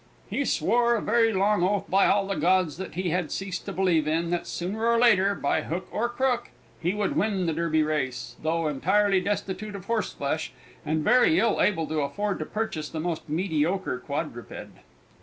He swore a very long oath by all the gods that he had ceased to believe in, that sooner or later, by crook or hook, he would win the Derby race, though entirely destitute of horseflesh and very ill able to afford to purchase the most mediocre quadruped.